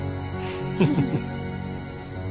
フフフ。